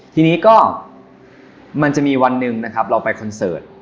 ทีนี้ก็มันจะมีวันหนึ่งนะครับเราไปคอนเสิร์ต